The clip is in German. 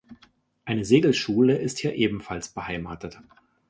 Eine Segelschule ist hier ebenfalls beheimatet.